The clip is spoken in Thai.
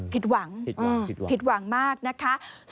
ผิดหวังผิดหวังมากนะคะอืมผิดหวัง